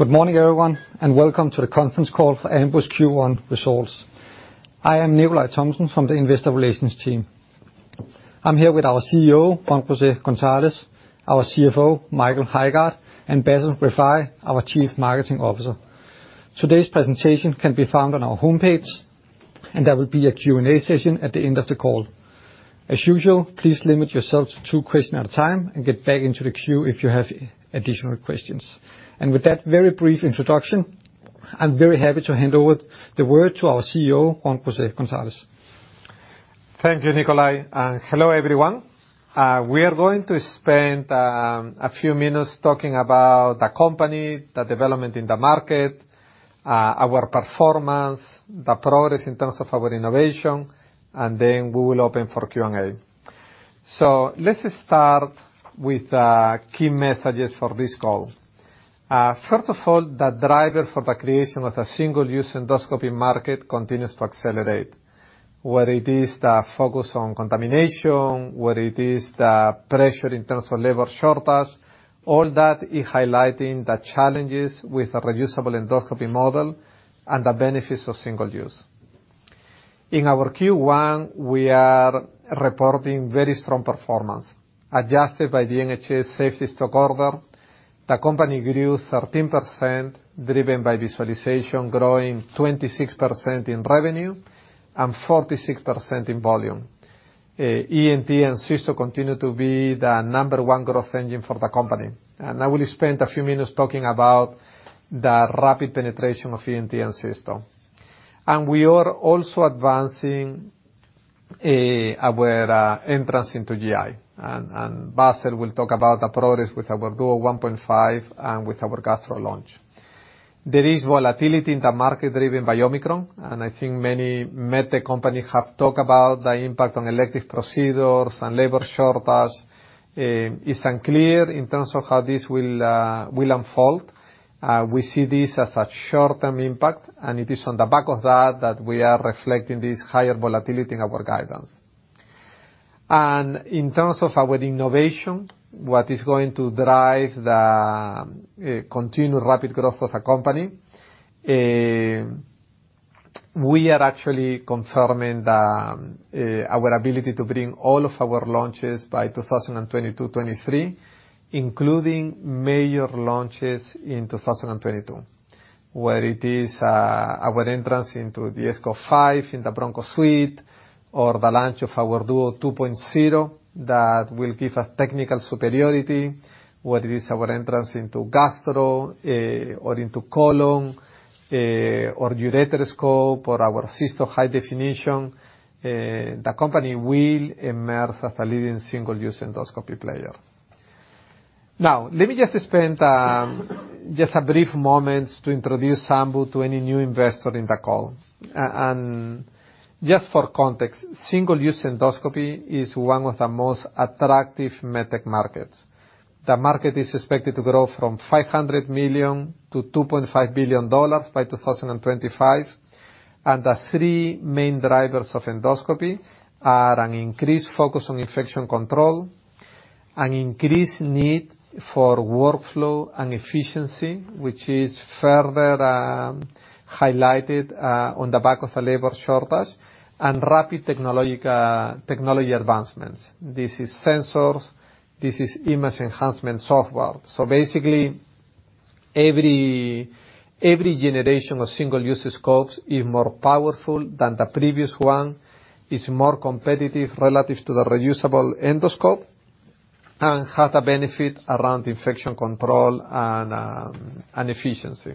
Good morning, everyone, and welcome to the conference call for Ambu's Q1 results. I am Nicolai Thomsen from the investor relations team. I'm here with our CEO, Juan José Gonzalez, our CFO, Michael Højgaard, and Bassel Rifai, our Chief Marketing Officer. Today's presentation can be found on our homepage, and there will be a Q&A session at the end of the call. As usual, please limit yourself to 2 questions at a time and get back into the queue if you have additional questions. With that very brief introduction, I'm very happy to hand over the word to our CEO, Juan José Gonzalez. Thank you, Nicolai, and hello, everyone. We are going to spend a few minutes talking about the company, the development in the market, our performance, the progress in terms of our innovation, and then we will open for Q&A. Let's start with the key messages for this call. First of all, the driver for the creation of a single-use endoscopy market continues to accelerate. Whether it is the focus on contamination, whether it is the pressure in terms of labor shortage, all that is highlighting the challenges with a reusable endoscopy model and the benefits of single use. In our Q1, we are reporting very strong performance. Adjusted by the NHS safety stock order, the company grew 13%, driven by visualization, growing 26% in revenue and 46% in volume. ENT and Cysto continue to be the number one growth engine for the company, and I will spend a few minutes talking about the rapid penetration of ENT and Cysto. We are also advancing our entrance into GI, and Bassel will talk about the progress with our Duo 1.5 and with our Gastro launch. There is volatility in the market driven by Omicron, and I think many med tech companies have talked about the impact on elective procedures and labor shortage. It's unclear in terms of how this will unfold. We see this as a short-term impact, and it is on the back of that that we are reflecting this higher volatility in our guidance. In terms of our innovation, what is going to drive the continued rapid growth of the company, we are actually confirming our ability to bring all of our launches by 2020 to 2023, including major launches in 2022, whether it is our entrance into the aScope 5 in the Bronchoscopy Suite, or the launch of our aScope Duo 2.0 that will give us technical superiority, whether it is our entrance into aScope Gastro, or into aScope Colon, or aScope Uretero or our aScope Cysto HD, the company will emerge as a leading single-use endoscopy player. Now, let me just spend just a brief moment to introduce Ambu to any new investor in the call. Just for context, single-use endoscopy is one of the most attractive med tech markets. The market is expected to grow from $500 million-$2.5 billion by 2025. The 3 main drivers of endoscopy are an increased focus on infection control, an increased need for workflow and efficiency, which is further highlighted on the back of the labor shortage, and rapid technology advancements. This is sensors, this is image enhancement software. Basically, every generation of single-use scopes is more powerful than the previous one, is more competitive relative to the reusable endoscope, and has a benefit around infection control and efficiency.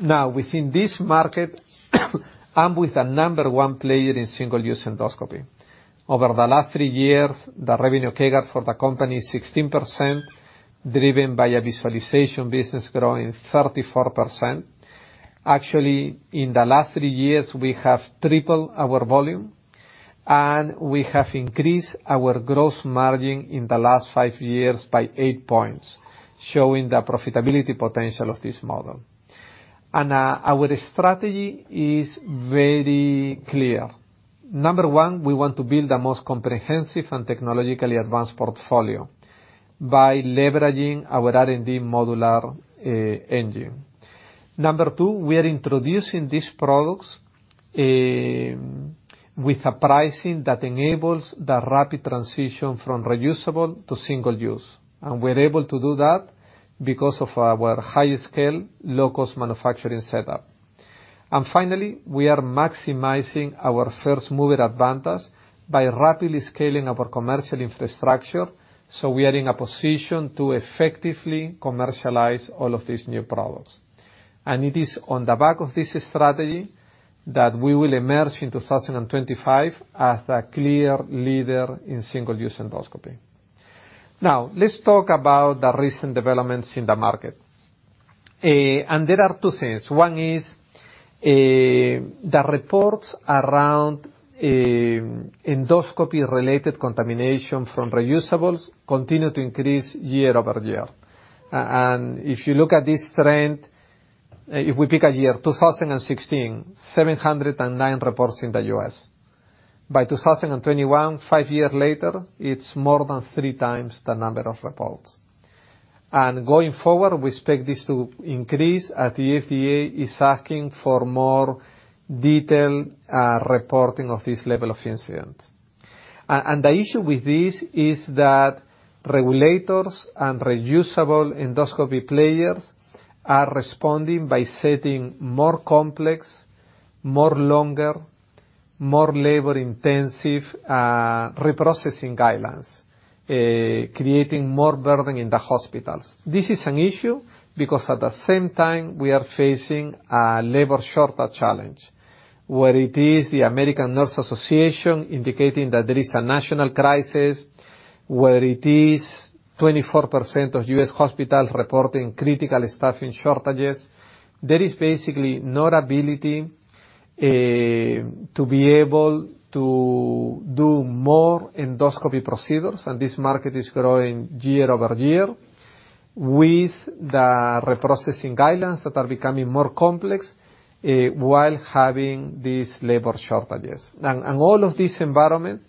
Now, within this market, with the number 1 player in single-use endoscopy, over the last three years, the revenue CAGR for the company is 16%, driven by a visualization business growing 34%. Actually, in the last 3 years, we have tripled our volume, and we have increased our gross margin in the last 5 years by 8 points, showing the profitability potential of this model. Our strategy is very clear. Number 1, we want to build the most comprehensive and technologically advanced portfolio by leveraging our R&D modular engine. Number 2, we are introducing these products with a pricing that enables the rapid transition from reusable to single-use. We're able to do that because of our high scale, low cost manufacturing setup. Finally, we are maximizing our first mover advantage by rapidly scaling our commercial infrastructure, so we are in a position to effectively commercialize all of these new products. It is on the back of this strategy that we will emerge in 2025 as a clear leader in single-use endoscopy. Now, let's talk about the recent developments in the market. There are 2 things. One is the reports around endoscopy-related contamination from reusables continue to increase year-over-year. If you look at this trend, if we pick a year, 2016, 709 reports in the U.S. By 2021, five years later, it's more than 3x the number of reports. Going forward, we expect this to increase as the FDA is asking for more detailed reporting of this level of incidents. The issue with this is that regulators and reusable endoscopy players are responding by setting more complex, more longer, more labor-intensive reprocessing guidelines, creating more burden in the hospitals. This is an issue because at the same time we are facing a labor shortage challenge, where it is the American Nurses Association indicating that there is a national crisis, where it is 24% of U.S. hospitals reporting critical staffing shortages. There is basically no ability to be able to do more endoscopy procedures, and this market is growing year over year, with the reprocessing guidelines that are becoming more complex, while having these labor shortages. All of this environment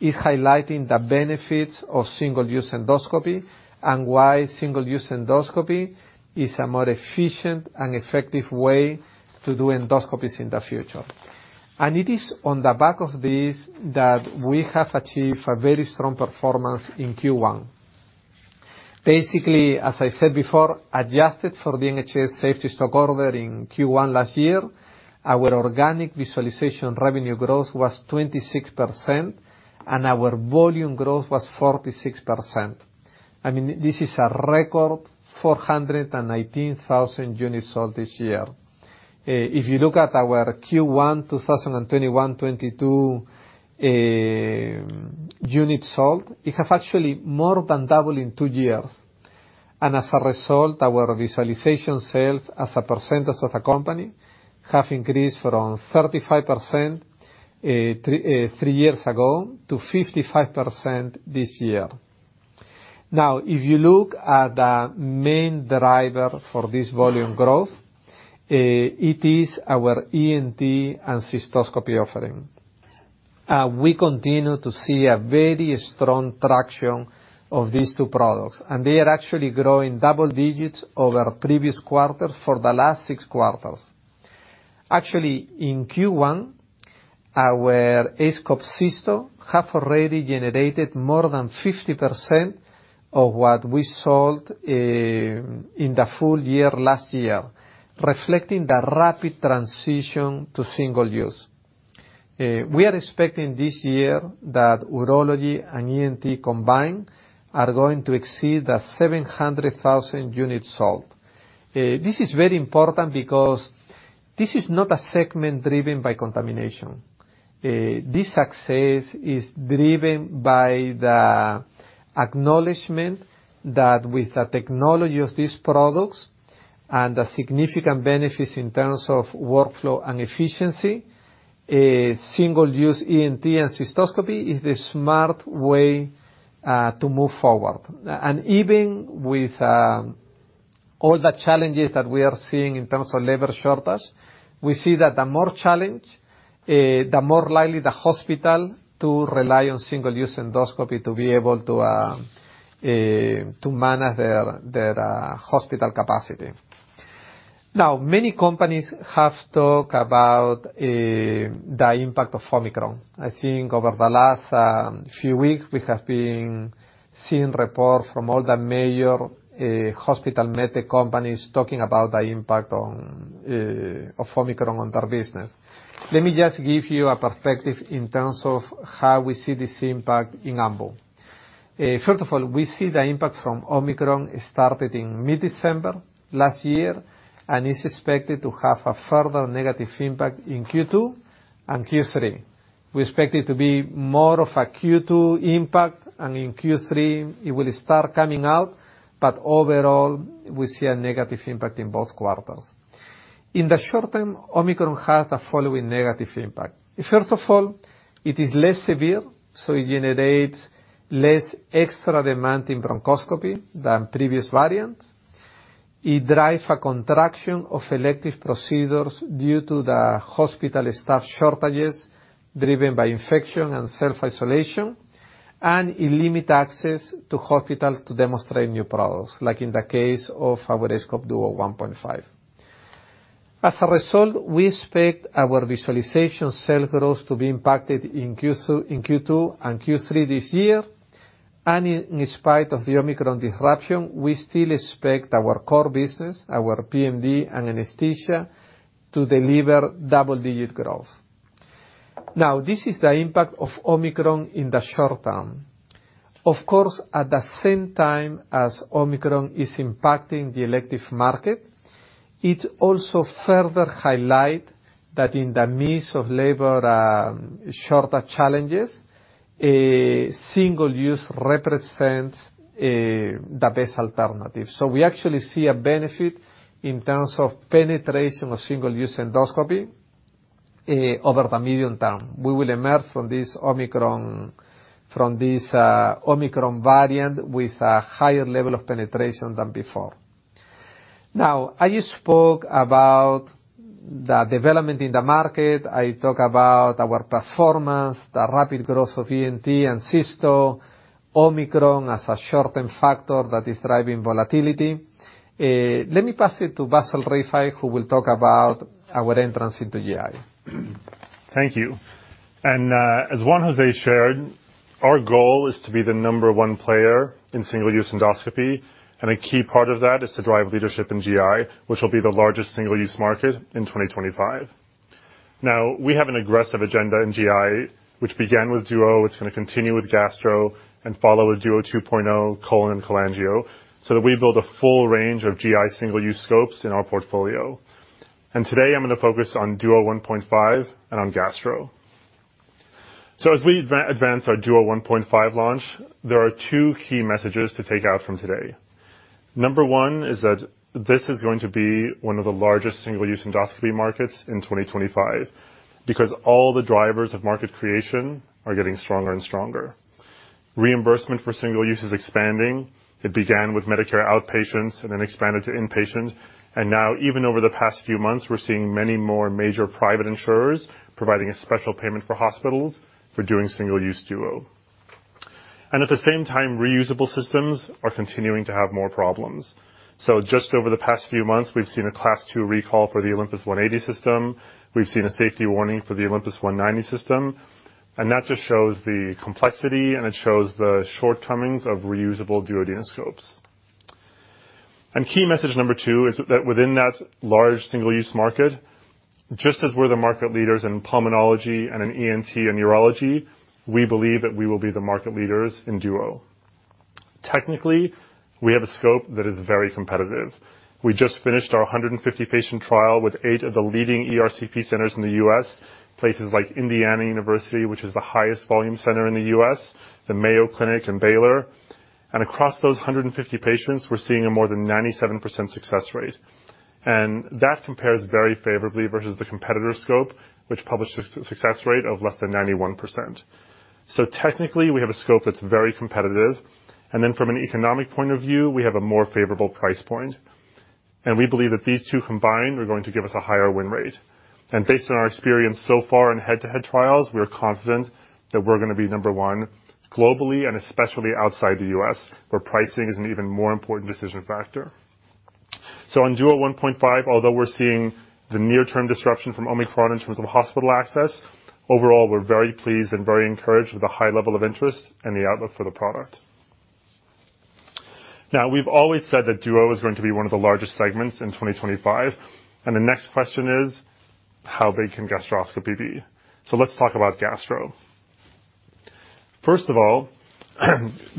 is highlighting the benefits of single-use endoscopy and why single-use endoscopy is a more efficient and effective way to do endoscopies in the future. It is on the back of this that we have achieved a very strong performance in Q1. Basically, as I said before, adjusted for the NHS safety stock order in Q1 last year, our organic visualization revenue growth was 26%, and our volume growth was 46%. I mean, this is a record 419,000 units sold this year. If you look at our Q1 2021, 2022 units sold, it has actually more than doubled in 2 years. As a result, our visualization sales as a percentage of the company have increased from 35%, 3 years ago, to 55% this year. Now, if you look at the main driver for this volume growth, it is our ENT and cystoscopy offering. We continue to see a very strong traction of these 2 products, and they are actually growing double digits over previous quarters for the last 6 quarters. Actually, in Q1, our aScope Cysto have already generated more than 50% of what we sold in the full year last year, reflecting the rapid transition to single-use. We are expecting this year that urology and ENT combined are going to exceed 700,000 units sold. This is very important because this is not a segment driven by contamination. This success is driven by the acknowledgment that with the technology of these products and the significant benefits in terms of workflow and efficiency, a single-use ENT and cystoscopy is the smart way to move forward. Even with all the challenges that we are seeing in terms of labor shortage, we see that the more challenging, the more likely the hospital to rely on single-use endoscopy to be able to manage their hospital capacity. Now, many companies have talked about the impact of Omicron. I think over the last few weeks, we have been seeing reports from all the major hospital med tech companies talking about the impact of Omicron on their business. Let me just give you a perspective in terms of how we see this impact in Ambu. First of all, we see the impact from Omicron started in mid-December last year and is expected to have a further negative impact in Q2 and Q3. We expect it to be more of a Q2 impact, and in Q3 it will start coming out. Overall, we see a negative impact in both quarters. In the short term, Omicron has the following negative impact. First of all, it is less severe, so it generates less extra demand in bronchoscopy than previous variants. It drives a contraction of elective procedures due to the hospital staff shortages driven by infection and self-isolation. It limits access to hospital to demonstrate new products, like in the case of our aScope Duo 1.5. As a result, we expect our visualization sales growth to be impacted in Q2 and Q3 this year. In spite of the Omicron disruption, we still expect our core business, our PMD and anesthesia, to deliver double-digit growth. Now, this is the impact of Omicron in the short term. Of course, at the same time as Omicron is impacting the elective market, it also further highlight that in the midst of labor shortage challenges, a single use represents the best alternative. We actually see a benefit in terms of penetration of single-use endoscopy over the medium term. We will emerge from this Omicron variant with a higher level of penetration than before. Now, I spoke about the development in the market. I talk about our performance, the rapid growth of ENT and cysto, Omicron as a short-term factor that is driving volatility. Let me pass it to Bassel Rifai, who will talk about our entry into GI. Thank you. As Juan Jose shared, our goal is to be the number 1 player in single-use endoscopy, and a key part of that is to drive leadership in GI, which will be the largest single-use market in 2025. Now, we have an aggressive agenda in GI, which began with Duodeno. It's going to continue with Gastro, and follow a Duodeno 2.0 colon and cholangio, so that we build a full range of GI single-use scopes in our portfolio. Today I'm going to focus on Duodeno 1.5 and on Gastro. As we advance our Duodeno 1.5 Launch, there are 2 key messages to take out from today. Number 1 is that this is going to be one of the largest single-use endoscopy markets in 2025 because all the drivers of market creation are getting stronger and stronger Reimbursement for single-use is expanding. It began with Medicare outpatients and then expanded to inpatients. Now even over the past few months, we're seeing many more major private insurers providing a special payment for hospitals for doing single-use duo. At the same time, reusable systems are continuing to have more problems. Just over the past few months, we've seen a Class II recall for the Olympus TJF-Q180V. We've seen a safety warning for the Olympus TJF-Q190V, and that just shows the complexity, and it shows the shortcomings of reusable duodenoscope. Key message number 2 is that within that large single-use market, just as we're the market leaders in pulmonology and in ENT and urology, we believe that we will be the market leaders in duo. Technically, we have a scope that is very competitive. We just finished our 150-patient trial with 8 of the leading ERCP centers in the U.S., places like Indiana University, which is the highest volume center in the U.S., the Mayo Clinic, and Baylor. Across those 150 patients, we're seeing a more than 97% success rate. That compares very favorably versus the competitor scope, which published success rate of less than 91%. Technically, we have a scope that's very competitive. Then from an economic point of view, we have a more favorable price point. We believe that these 2 combined are going to give us a higher win rate. Based on our experience so far in head-to-head trials, we're confident that we're going to be number one globally and especially outside the U.S., where pricing is an even more important decision factor. On Duodeno 1.5, although we're seeing the near term disruption from Omicron in terms of hospital access, overall, we're very pleased and very encouraged with the high level of interest and the outlook for the product. Now, we've always said that duo is going to be one of the largest segments in 2025, and the next question is, how big can gastroscopy be? Let's talk about gastro. First of all,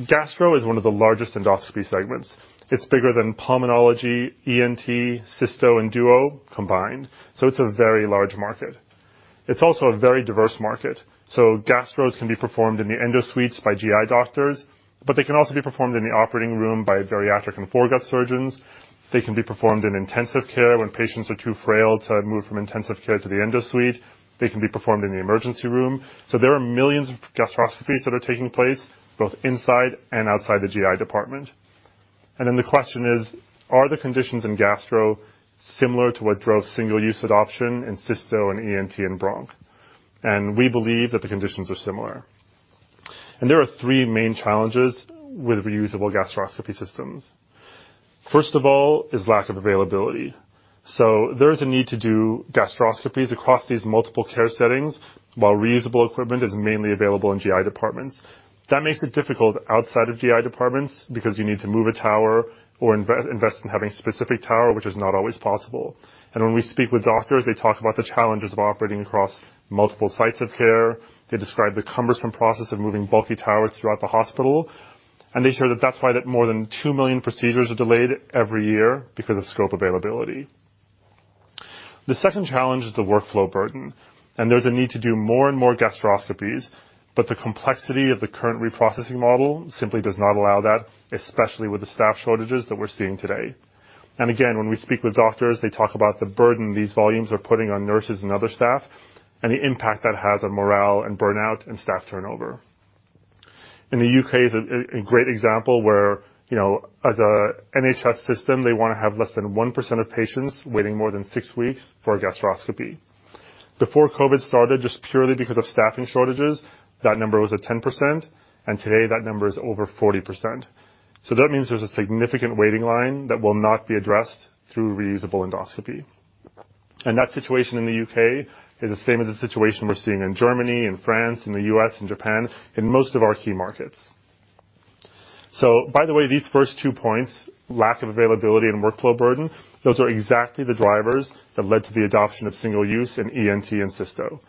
gastro is one of the largest endoscopy segments. It's bigger than pulmonology, ENT, cysto, and duo combined. It's a very large market. It's also a very diverse market. Gastros can be performed in the endosuites by GI doctors, but they can also be performed in the operating room by bariatric and foregut surgeons. They can be performed in intensive care when patients are too frail to move from intensive care to the endosuite. They can be performed in the emergency room. There are millions of gastroscopies that are taking place both inside and outside the GI department. The question is, are the conditions in gastro similar to what drove single-use adoption in cysto and ENT and bronch? We believe that the conditions are similar. There are 3 main challenges with reusable gastroscopy systems. First of all is lack of availability. There is a need to do gastroscopies across these multiple care settings, while reusable equipment is mainly available in GI departments. That makes it difficult outside of GI departments because you need to move a tower or invest in having specific tower, which is not always possible. When we speak with doctors, they talk about the challenges of operating across multiple sites of care. They describe the cumbersome process of moving bulky towers throughout the hospital, and they share that that's why more than 2 million procedures are delayed every year because of scope availability. The second challenge is the workflow burden, and there's a need to do more and more gastroscopies, but the complexity of the current reprocessing model simply does not allow that, especially with the staff shortages that we're seeing today. Again, when we speak with doctors, they talk about the burden these volumes are putting on nurses and other staff, and the impact that has on morale and burnout and staff turnover. In the U.K. is a great example where, you know, as a NHS system, they wanna have less than 1% of patients waiting more than six weeks for a gastroscopy. Before COVID started, just purely because of staffing shortages, that number was at 10%, and today that number is over 40%. That means there's a significant waiting line that will not be addressed through reusable endoscopy. That situation in the U.K. is the same as the situation we're seeing in Germany, in France, in the U.S., in Japan, in most of our key markets. By the way, these first two points, lack of availability and workflow burden, those are exactly the drivers that led to the adoption of single-use in ENT and cysto.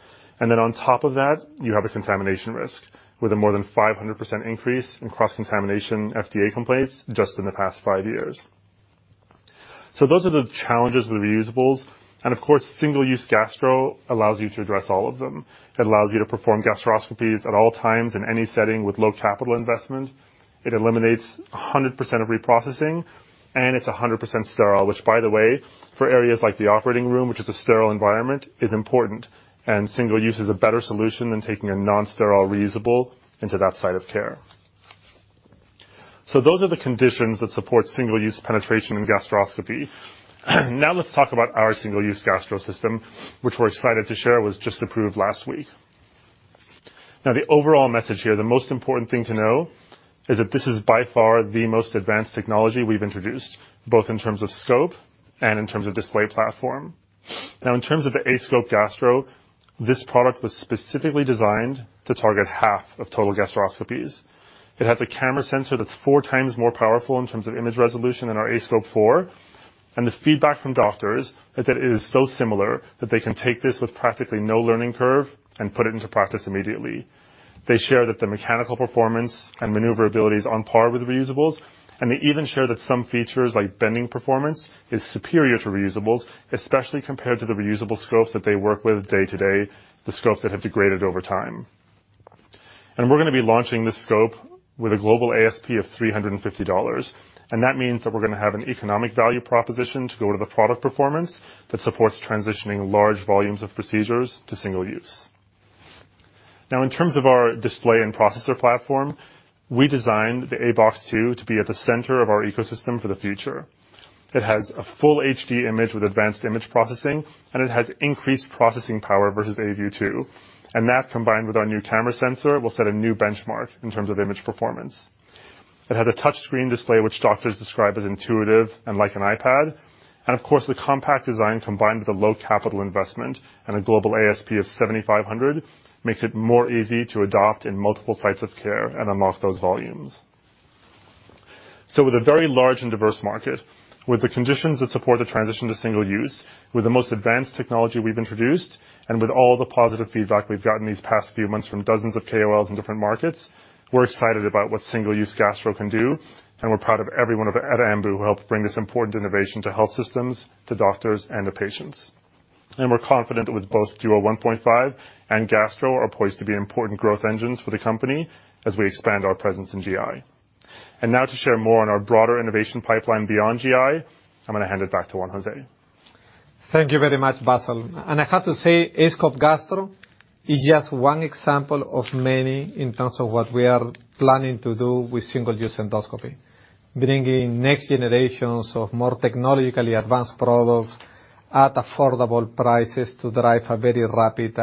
Then on top of that, you have a contamination risk with a more than 500% increase in cross-contamination FDA complaints just in the past 5 years. Those are the challenges with reusables. Of course, single-use gastro allows you to address all of them. It allows you to perform gastroscopies at all times in any setting with low capital investment. It eliminates 100% of reprocessing, and it's 100% sterile, which by the way, for areas like the operating room, which is a sterile environment, is important. Single-use is a better solution than taking a non-sterile reusable into that site of care. So those are the conditions that support single-use penetration in gastroscopy. Now let's talk about our single-use gastro system, which we're excited to share was just approved last week. Now, the overall message here, the most important thing to know, is that this is by far the most advanced technology we've introduced, both in terms of scope and in terms of display platform. Now, in terms of the aScope Gastro, this product was specifically designed to target half of total gastroscopies. It has a camera sensor that's 4x more powerful in terms of image resolution than our aScope 4. The feedback from doctors is that it is so similar that they can take this with practically no learning curve and put it into practice immediately. They share that the mechanical performance and maneuverability is on par with reusables, and they even share that some features, like bending performance, is superior to reusables, especially compared to the reusable scopes that they work with day to day, the scopes that have degraded over time. We're gonna be launching this scope with a global ASP of $350. That means that we're gonna have an economic value proposition to go with the product performance that supports transitioning large volumes of procedures to single-use. Now, in terms of our display and processor platform, we designed the aBox 2 to be at the center of our ecosystem for the future. It has a full HD image with advanced image processing, and it has increased processing power versus aView 2, and that, combined with our new camera sensor, will set a new benchmark in terms of image performance. It has a touch screen display, which doctors describe as intuitive and like an iPad. Of course, the compact design, combined with a low capital investment and a global ASP of 7,500, makes it more easy to adopt in multiple sites of care and unlock those volumes. With a very large and diverse market, with the conditions that support the transition to single use, with the most advanced technology we've introduced, and with all the positive feedback we've gotten these past few months from dozens of KOLs in different markets, we're excited about what single-use gastro can do, and we're proud of everyone at Ambu who helped bring this important innovation to health systems, to doctors, and to patients. We're confident that with both Duo 1.5 and Gastro are poised to be important growth engines for the company as we expand our presence in GI. Now to share more on our broader innovation pipeline beyond GI, I'm gonna hand it back to Juan José. Thank you very much, Bassel. I have to say, aScope Gastro is just one example of many in terms of what we are planning to do with single-use endoscopy, bringing next generations of more technologically advanced products at affordable prices to drive a very rapid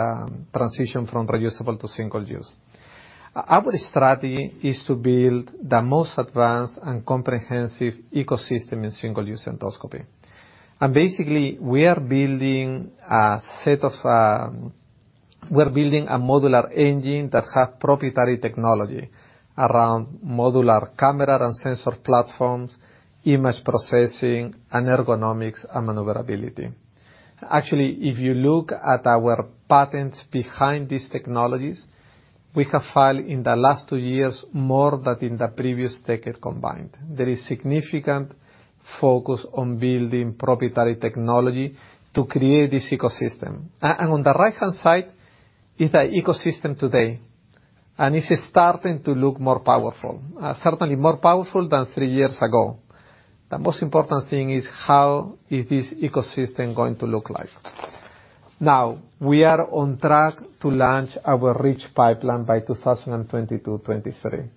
transition from reusable to single use. Our strategy is to build the most advanced and comprehensive ecosystem in single-use endoscopy. Basically, we are building a modular engine that have proprietary technology around modular camera and sensor platforms, image processing, and ergonomics and maneuverability. Actually, if you look at our patents behind these technologies, we have filed in the last two years more than in the previous decade combined. There is significant focus on building proprietary technology to create this ecosystem. On the right-hand side is the ecosystem today, and this is starting to look more powerful, certainly more powerful than three years ago. The most important thing is how is this ecosystem going to look like. Now, we are on track to launch our rich pipeline by 2022/2023.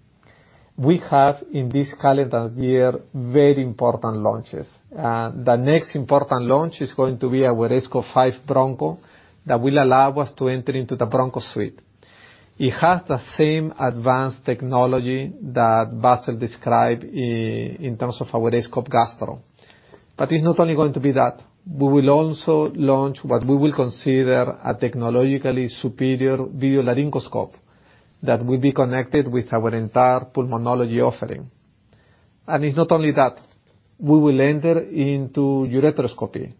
We have, in this calendar year, very important launches. The next important launch is going to be our aScope 5 Broncho. That will allow us to enter into the bronchoscopy suite. It has the same advanced technology that Bassel described in terms of our aScope Gastro. It's not only going to be that. We will also launch what we will consider a technologically superior video laryngoscope that will be connected with our entire pulmonology offering. It's not only that, we will enter into ureteroscopy.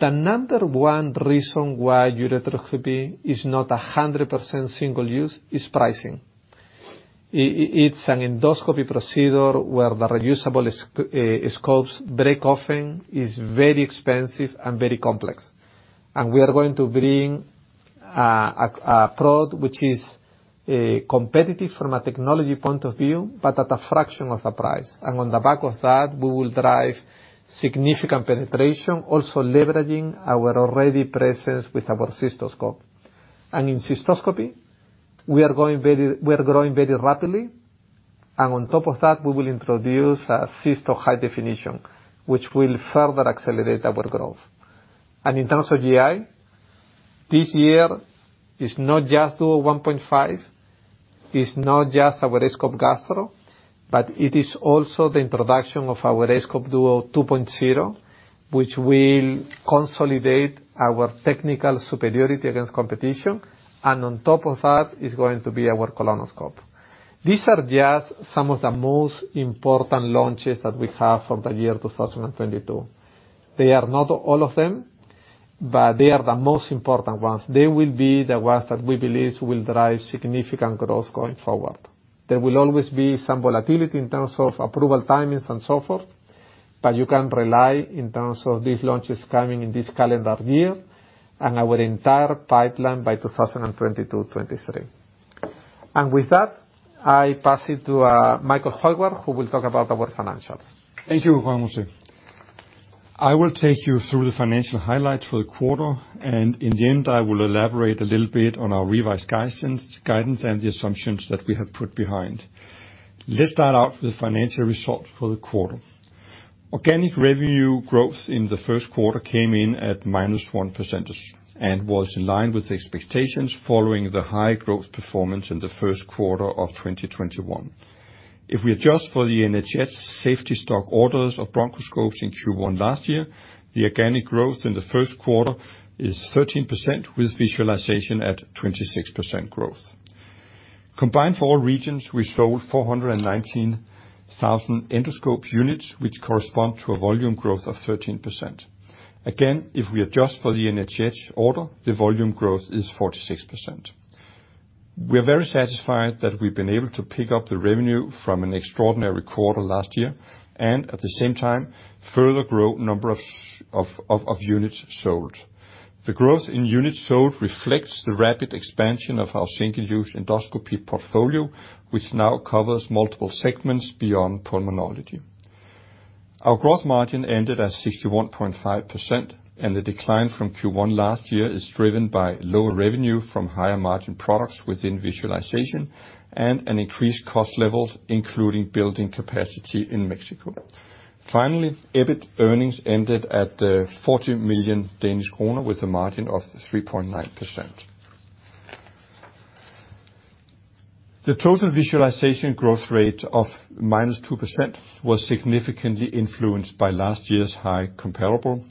The number one reason why ureteroscopy is not 100% single-use is pricing. It's an endoscopy procedure where the reusable scopes break often. It's very expensive and very complex. We are going to bring a product which is competitive from a technology point of view, but at a fraction of the price. On the back of that, we will drive significant penetration, also leveraging our already presence with our aScope Cysto. In cystoscopy, we are growing very rapidly. On top of that, we will introduce aScope Cysto HD, which will further accelerate our growth. In terms of GI, this year is not just aScope Duo 1.5, is not just our aScope Gastro, but it is also the introduction of our aScope Duo 2.0, which will consolidate our technical superiority against competition. On top of that is going to be our colonoscope. These are just some of the most important launches that we have for the year 2022. They are not all of them, but they are the most important ones. They will be the ones that we believe will drive significant growth going forward. There will always be some volatility in terms of approval timings and so forth, but you can rely in terms of these launches coming in this calendar year and our entire pipeline by 2022/2023. With that, I pass it to Michael Højgaard, who will talk about our financials. Thank you, Juan Jose. I will take you through the financial highlights for the quarter, and in the end, I will elaborate a little bit on our revised guidance and the assumptions that we have put behind. Let's start out with the financial results for the quarter. Organic revenue growth in the 1st quarter came in at -1% and was in line with expectations following the high growth performance in the 1st quarter of 2021. If we adjust for the NHS safety stock orders of bronchoscopes in Q1 last year, the organic growth in the 1st quarter is 13% with visualization at 26% growth. Combined for all regions, we sold 419,000 endoscope units, which correspond to a volume growth of 13%. Again, if we adjust for the NHS order, the volume growth is 46%. We are very satisfied that we've been able to pick up the revenue from an extraordinary quarter last year and at the same time further grow number of units sold. The growth in units sold reflects the rapid expansion of our single-use endoscopy portfolio, which now covers multiple segments beyond pulmonology. Our gross margin ended at 61.5%, and the decline from Q1 last year is driven by lower revenue from higher margin products within visualization and an increased cost levels, including building capacity in Mexico. Finally, EBIT earnings ended at 40 million Danish kroner with a margin of 3.9%. The total visualization growth rate of -2% was significantly influenced by last year's high comparable.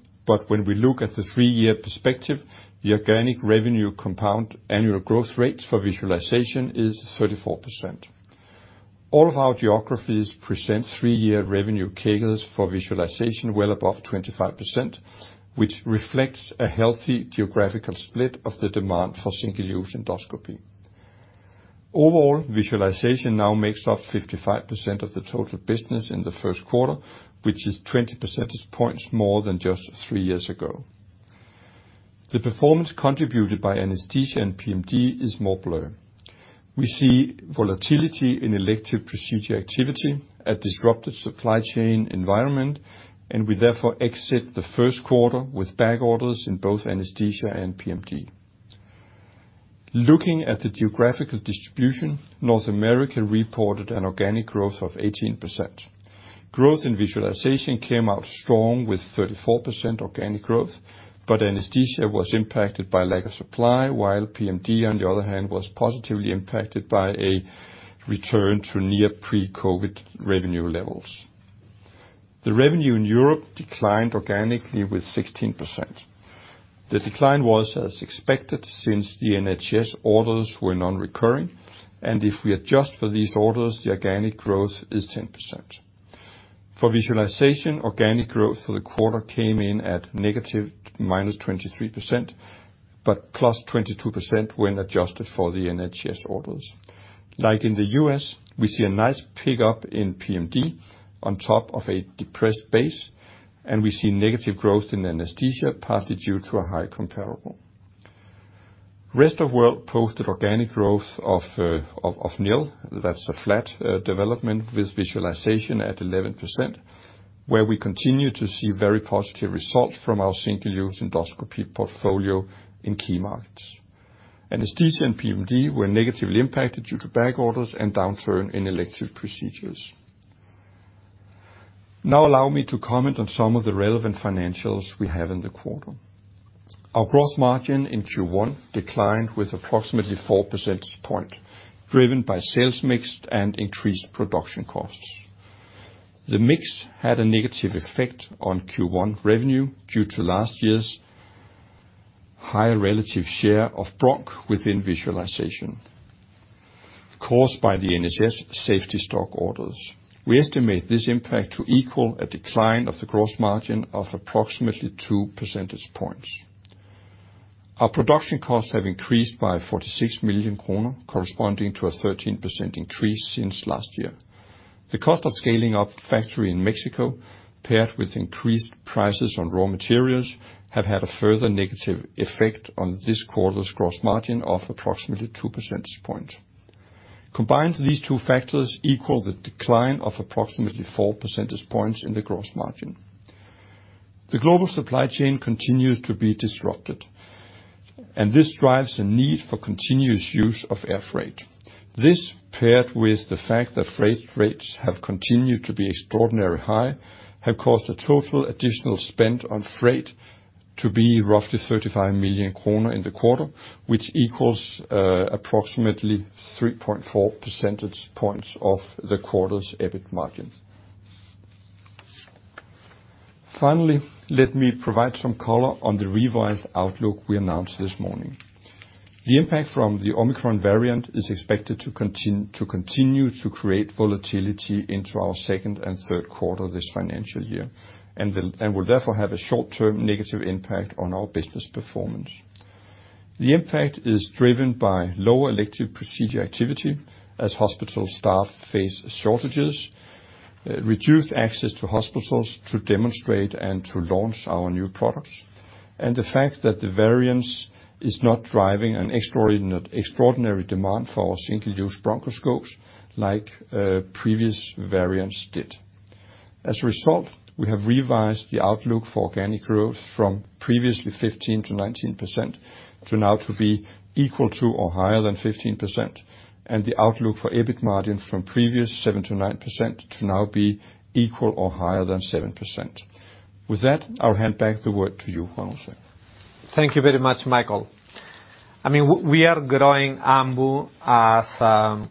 When we look at the three-year perspective, the organic revenue compound annual growth rate for visualization is 34%. All of our geographies present three-year revenue CAGRs for visualization well above 25%, which reflects a healthy geographical split of the demand for single-use endoscopy. Overall, visualization now makes up 55% of the total business in the first quarter, which is 20 percentage points more than just three years ago. The performance contributed by anesthesia and PMT is more blurred. We see volatility in elective procedure activity, a disrupted supply chain environment, and we therefore exit the first quarter with back orders in both anesthesia and PMT. Looking at the geographical distribution, North America reported an organic growth of 18%. Growth in visualization came out strong with 34% organic growth, but anesthesia was impacted by lack of supply, while PMT on the other hand, was positively impacted by a return to near pre-COVID revenue levels. The revenue in Europe declined organically with 16%. The decline was as expected since the NHS orders were non-recurring, and if we adjust for these orders, the organic growth is 10%. For visualization, organic growth for the quarter came in at -23%, but +22% when adjusted for the NHS orders. Like in the U.S., we see a nice pick up in PMT on top of a depressed base, and we see negative growth in anesthesia, partly due to a high comparable. Rest of world posted organic growth of 0%. That's a flat development with visualization at 11%, where we continue to see very positive results from our single-use endoscopy portfolio in key markets. Anesthesia and PMT were negatively impacted due to back orders and downturn in elective procedures. Now allow me to comment on some of the relevant financials we have in the quarter. Our gross margin in Q1 declined by approximately 4 percentage points, driven by sales mix and increased production costs. The mix had a negative effect on Q1 revenue due to last year's higher relative share of Broncho within visualization caused by the NHS safety stock orders. We estimate this impact to equal a decline of the gross margin of approximately 2 percentage points. Our production costs have increased by 46 million kroner, corresponding to a 13% increase since last year. The cost of scaling up factory in Mexico paired with increased prices on raw materials have had a further negative effect on this quarter's gross margin of approximately 2 percentage points. Combined, these 2 factors equal the decline of approximately 4 percentage points in the gross margin. The global supply chain continues to be disrupted, and this drives a need for continuous use of air freight. This paired with the fact that freight rates have continued to be extraordinarily high, have caused a total additional spend on freight to be roughly 35 million kroner in the quarter, which equals approximately 3.4 percentage points of the quarter's EBIT margin. Finally, let me provide some color on the revised outlook we announced this morning. The impact from the Omicron variant is expected to continue to create volatility into our 2nd and 3rd quarter this financial year and will therefore have a short term negative impact on our business performance. The impact is driven by lower elective procedure activity as hospital staff face shortages, reduced access to hospitals to demonstrate and to launch our new products. The fact that the variant is not driving an extraordinary demand for our single-use bronchoscope, like previous variants did. As a result, we have revised the outlook for organic growth from previously 15%-19% to now to be equal to or higher than 15%, and the outlook for EBIT margin from previous 7%-9% to now be equal or higher than 7%. With that, I'll hand back the word to you, Juan José. Thank you very much, Michael. I mean, we are growing Ambu as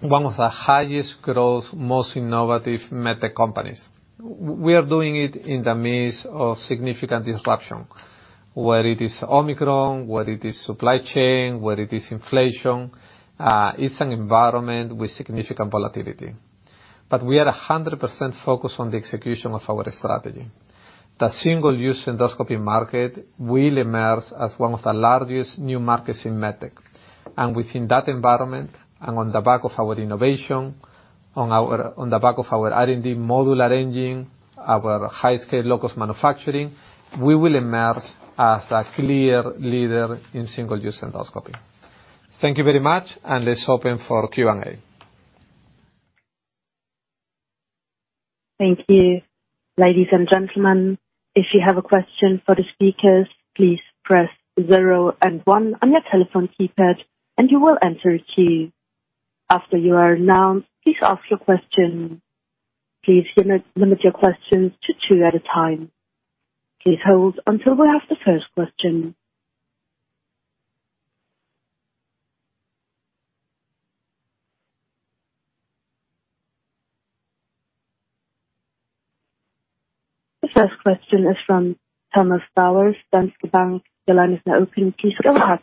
one of the highest growth, most innovative med tech companies. We are doing it in the midst of significant disruption. Whether it is Omicron, whether it is supply chain, whether it is inflation, it's an environment with significant volatility. But we are 100% focused on the execution of our strategy. The single-use endoscopy market will emerge as one of the largest new markets in med tech. Within that environment, on the back of our innovation, on the back of our R&D modular engine, our high-scale local manufacturing, we will emerge as a clear leader in single-use endoscopy. Thank you very much. Let's open for Q&A. Thank you. Ladies and gentlemen, if you have a question for the speakers, please press 0 and 1 on your telephone keypad, and you will enter a queue. After you are announced, please ask your question. Please limit your questions to 2 at a time. Please hold until we have the 1st question. The 1st question is from Thomas Bowers, Danske Bank. The line is now open. Please go ahead.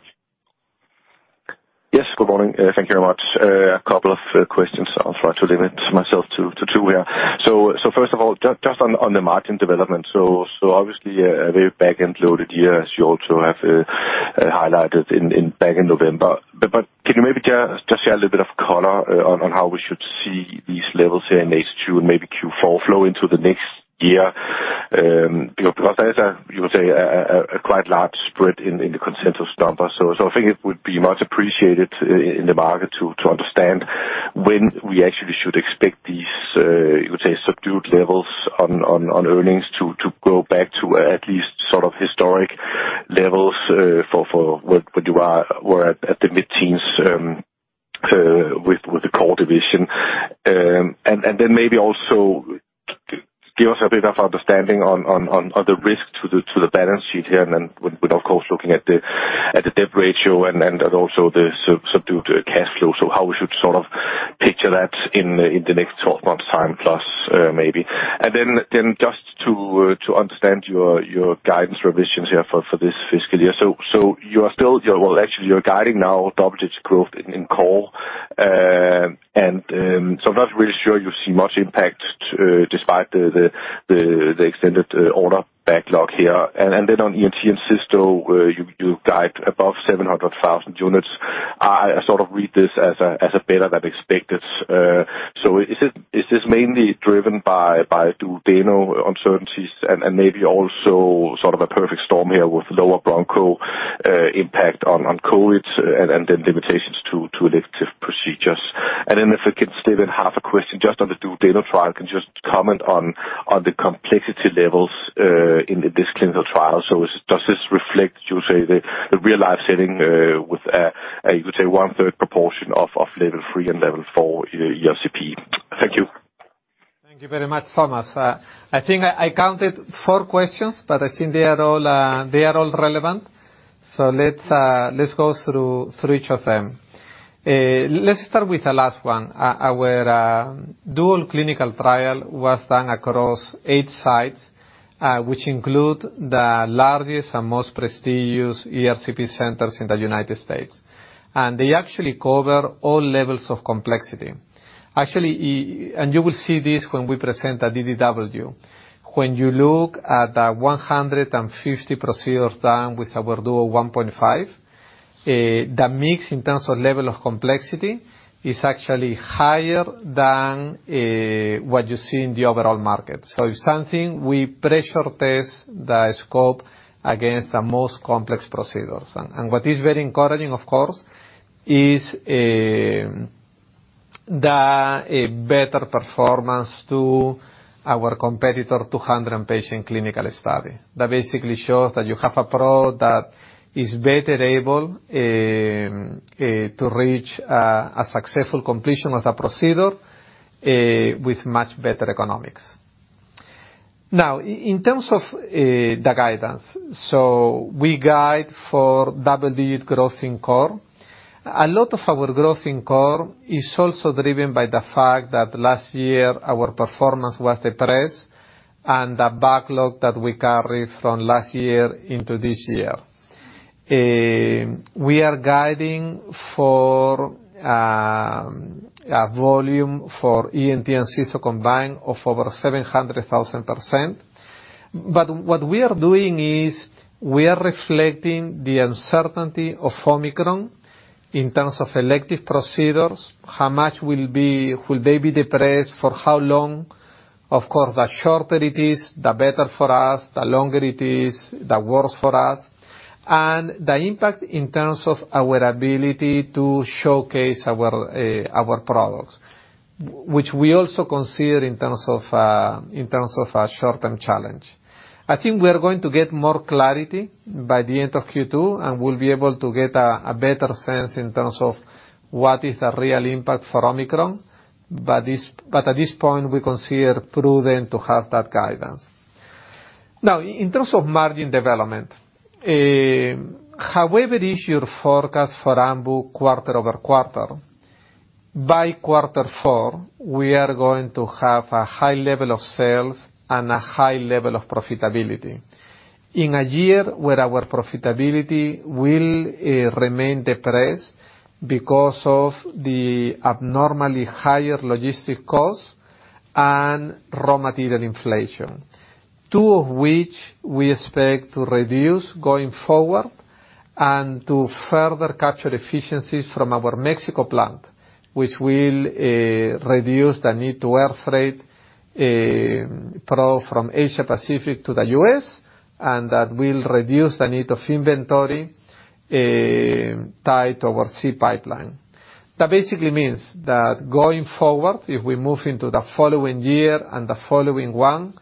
Yes, good morning. Thank you very much. A couple of questions. I'll try to limit myself to two here. First of all, just on the margin development. Obviously a very back-end loaded year as you also have highlighted back in November. Can you maybe just share a little bit of color on how we should see these levels here in H2 and maybe Q4 flow into the next year? You know, because there's, you could say, a quite large spread in the consensus numbers. I think it would be much appreciated in the market to understand when we actually should expect these, you could say subdued levels on earnings to go back to at least sort of historic levels, for what you were at, the mid-teens, with the core division. Then maybe also give us a bit of understanding on the risk to the balance sheet here, and then with, of course, looking at the debt ratio and also the subdued cash flow. How we should sort of picture that in the next 12 months' time plus, maybe. Then just to understand your guidance revisions here for this fiscal year. You are still... Well, actually you're guiding now double-digit growth in core. So I'm not really sure you see much impact despite the extended order backlog here. Then on ENT and cysto, you guide above 700,000 units. I sort of read this as better than expected. So is it mainly driven by Duodeno uncertainties and maybe also sort of a perfect storm here with lower broncho impact on COVID and then limitations to elective procedures? Then if we can save the half a question just on the Duodeno trial. Can you just comment on the complexity levels in this clinical trial? Does this reflect, you say, the real-life setting, with you could say one-third proportion of level three and level four ERCP? Thank you. Thank you very much, Thomas. I think I counted four questions, but I think they are all relevant. Let's go through each of them. Let's start with the last one. Our Duo clinical trial was done across 8 sites, which include the largest and most prestigious ERCP centers in the United States. They actually cover all levels of complexity. Actually, you will see this when we present at DDW. When you look at the 150 procedures done with our aScope Duo 1.5, the mix in terms of level of complexity is actually higher than what you see in the overall market. It's something we pressure test the scope against the most complex procedures. What is very encouraging, of course, is the better performance to our competitor 200-patient clinical study. That basically shows that you have a product that is better able to reach a successful completion of the procedure with much better economics. Now, in terms of the guidance. We guide for double-digit growth in core. A lot of our growth in core is also driven by the fact that last year our performance was depressed and the backlog that we carried from last year into this year. We are guiding for a volume for ENT and cysto combined of over 700,000 units. But what we are doing is we are reflecting the uncertainty of Omicron. In terms of elective procedures, how much will they be depressed? For how long? Of course, the shorter it is, the better for us, the longer it is, the worse for us. The impact in terms of our ability to showcase our products, which we also consider in terms of a short-term challenge. I think we are going to get more clarity by the end of Q2, and we'll be able to get a better sense in terms of what is the real impact for Omicron. At this point, we consider it prudent to have that guidance. Now, in terms of margin development, however it is you forecast for Ambu quarter-over-quarter, by quarter 4, we are going to have a high level of sales and a high level of profitability. In a year where our profitability will remain depressed because of the abnormally higher logistics costs and raw material inflation, two of which we expect to reduce going forward and to further capture efficiencies from our Mexico plant, which will reduce the need to air freight product from Asia Pacific to the U.S., and that will reduce the need of inventory tied to our GI pipeline. That basically means that going forward, if we move into the following year and the following one,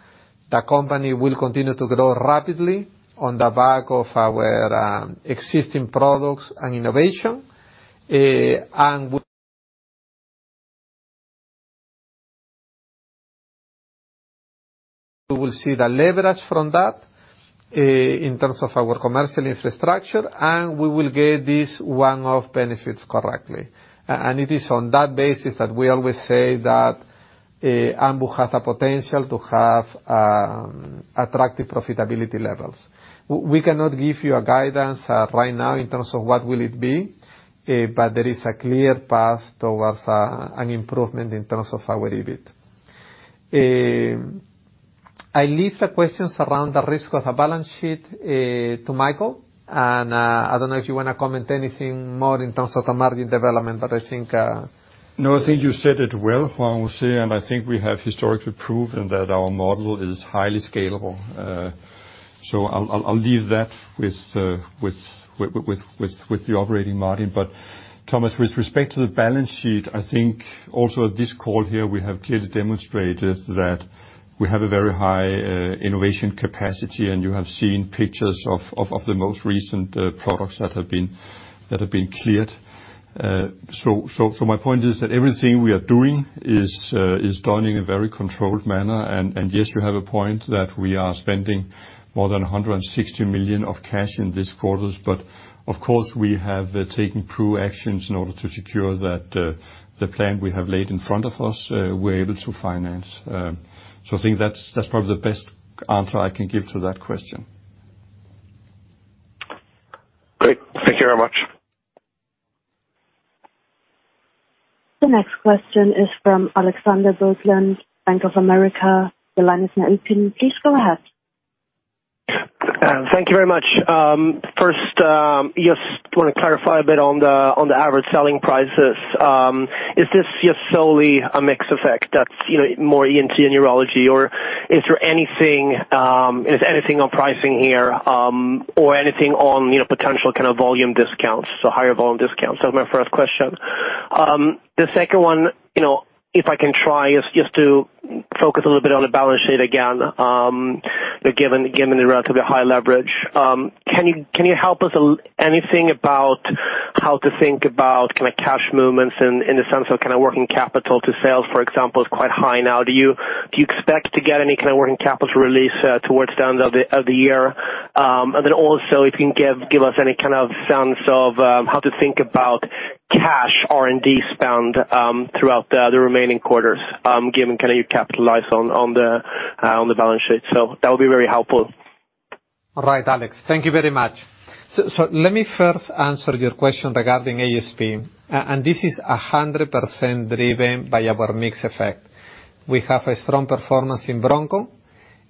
the company will continue to grow rapidly on the back of our existing products and innovation. We will see the leverage from that in terms of our commercial infrastructure, and we will get these one-off benefits correctly. It is on that basis that we always say that Ambu has the potential to have attractive profitability levels. We cannot give you a guidance right now in terms of what will it be, but there is a clear path towards an improvement in terms of our EBIT. I leave the questions around the risk of the balance sheet to Michael, and I don't know if you wanna comment anything more in terms of the margin development, but I think No, I think you said it well, Juan, we'll say, and I think we have historically proven that our model is highly scalable. I'll leave that with the operating margin. Thomas, with respect to the balance sheet, I think also at this call here, we have clearly demonstrated that we have a very high innovation capacity, and you have seen pictures of the most recent products that have been cleared. My point is that everything we are doing is done in a very controlled manner. Yes, you have a point that we are spending more than 160 million of cash in these quarters, but of course, we have taken true actions in order to secure that the plan we have laid in front of us we're able to finance. So I think that's probably the best answer I can give to that question. Great. Thank you very much. The next question is from Alexander Berglund, Bank of America. Your line is now open. Please go ahead. Thank you very much. First, just wanna clarify a bit on the average selling prices. Is this just solely a mix effect that's, you know, more ENT and urology, or is there anything on pricing here, or anything on, you know, potential kind of volume discounts, so higher volume discounts? That was my 1st question. The second one, you know, if I can try is just to focus a little bit on the balance sheet again. Given the relatively high leverage, can you help us anything about how to think about kind of cash movements in the sense of kind of working capital to sales, for example, is quite high now. Do you expect to get any kind of working capital release towards the end of the year? if you can give us any kind of sense of how to think about cash R&D spend throughout the remaining quarters, given that you capitalize on the balance sheet. That would be very helpful. All right, Alex. Thank you very much. Let me first answer your question regarding ASP, and this is 100% driven by our mix effect. We have a strong performance in Broncho,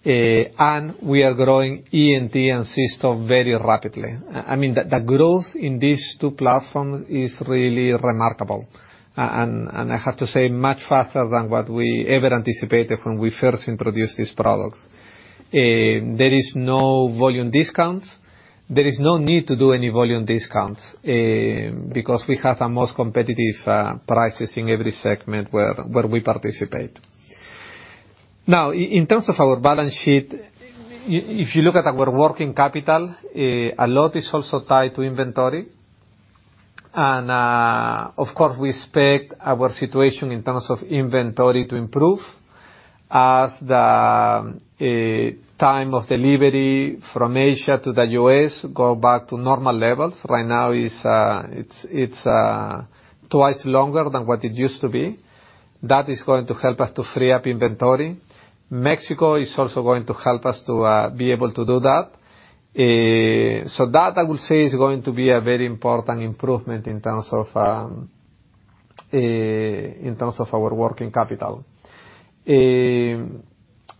and we are growing ENT and Cysto very rapidly. I mean, the growth in these 2 platforms is really remarkable, and I have to say much faster than what we ever anticipated when we first introduced these products. There is no volume discounts. There is no need to do any volume discounts, because we have the most competitive prices in every segment where we participate. Now, in terms of our balance sheet, if you look at our working capital, a lot is also tied to inventory. Of course, we expect our situation in terms of inventory to improve as the time of delivery from Asia to the U.S. go back to normal levels. Right now it's twice longer than what it used to be. That is going to help us to free up inventory. Mexico is also going to help us to be able to do that. So that, I will say, is going to be a very important improvement in terms of our working capital.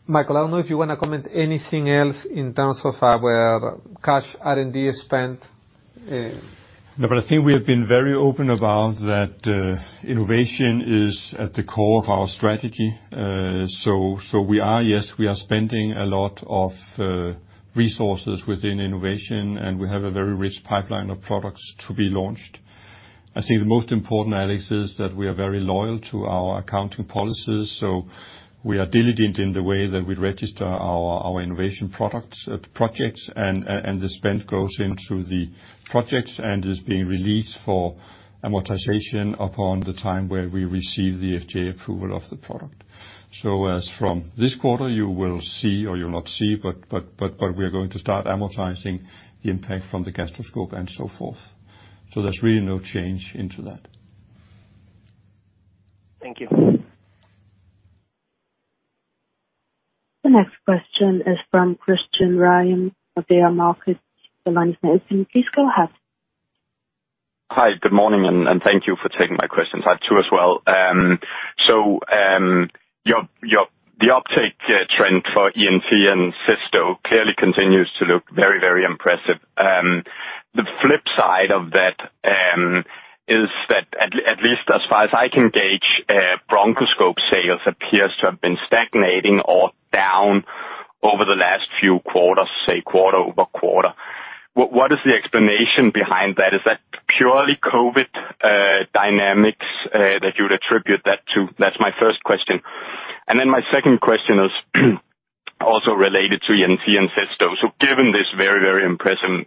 Michael, I don't know if you wanna comment anything else in terms of our cash R&D spend. No, I think we have been very open about that. Innovation is at the core of our strategy. We are spending a lot of resources within innovation, and we have a very rich pipeline of products to be launched. I think the most important, Alex, is that we are very loyal to our accounting policies. We are diligent in the way that we register our innovation products, projects. The spend goes into the projects and is being released for amortization upon the time where we receive the FDA approval of the product. As from this quarter, you will see, or you'll not see, but we are going to start amortizing the impact from the gastroscope and so forth. There's really no change in that. Thank you. The next question is from Christian Ryom of Nordea Markets. The line is now open. Please go ahead. Hi, good morning, and thank you for taking my question. I have two as well. The uptake trend for ENT and Cysto clearly continues to look very impressive. The flip side of that is that at least as far as I can gauge, bronchoscope sales appears to have been stagnating or down over the last few quarters, say quarter-over-quarter. What is the explanation behind that? Is that purely COVID dynamics that you would attribute that to? That's my 1st question. My 2nd question is also related to ENT and Cysto. Given this very impressive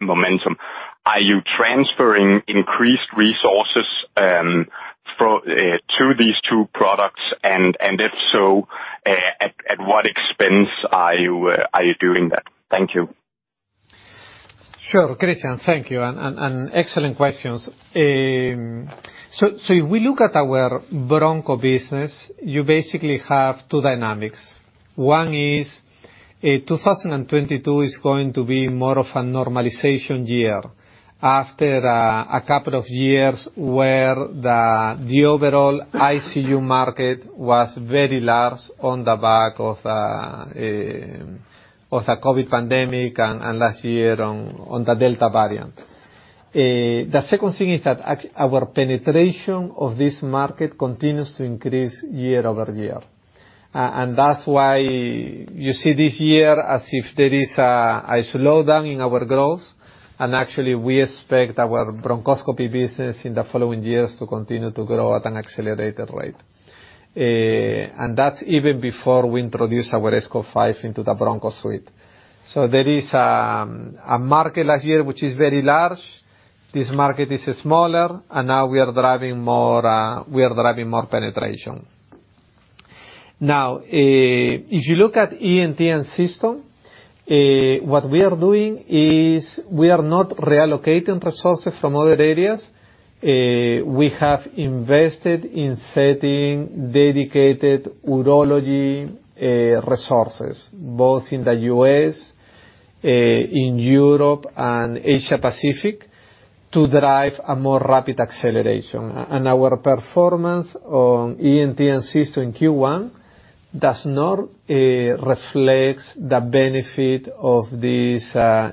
momentum, are you transferring increased resources to these two products? If so, at what expense are you doing that? Thank you. Sure. Christian, thank you and excellent questions. So if we look at our Broncho business, you basically have two dynamics. One is 2022 is going to be more of a normalization year after a couple of years where the overall ICU market was very large on the back of the COVID pandemic and last year on the Delta variant. The second thing is that our penetration of this market continues to increase year-over-year. And that's why you see this year as if there is a slowdown in our growth, and actually we expect our bronchoscopy business in the following years to continue to grow at an accelerated rate. And that's even before we introduce our aScope 5 into the Bronchoscopy Suite. There is a market last year, which is very large. This market is smaller, and now we are driving more penetration. Now, if you look at ENT and Cysto, what we are doing is we are not reallocating resources from other areas. We have invested in setting dedicated urology resources, both in the U.S., in Europe and Asia Pacific, to drive a more rapid acceleration. Our performance on ENT and Cysto in Q1 does not reflect the benefit of this